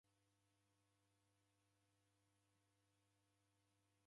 Shoa agho mapemba ghadika.